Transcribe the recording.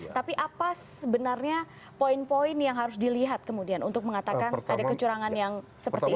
tapi apa sebenarnya poin poin yang harus dilihat kemudian untuk mengatakan ada kecurangan yang seperti ini